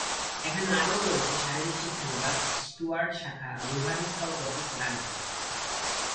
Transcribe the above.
এখানে আরও রয়েছে শারীরিক শিক্ষা বিভাগ, স্টুয়ার্ড শাখা, রোভার স্কাউট অফিস ও ডাকঘর।